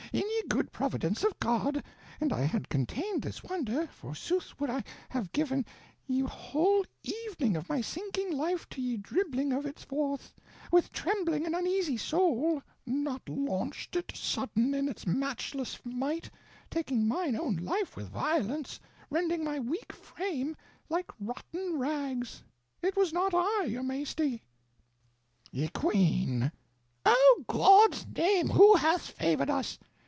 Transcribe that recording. In ye good providence of God, an' I had contained this wonder, forsoothe wolde I have gi'en 'ye whole evening of my sinking life to ye dribbling of it forth, with trembling and uneasy soul, not launched it sudden in its matchless might, taking mine own life with violence, rending my weak frame like rotten rags. It was not I, your maisty. Ye Queene. O' God's name, who hath favored us?